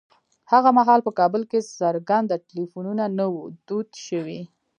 هغه مهال په کابل کې ګرځنده ټليفونونه نه وو دود شوي.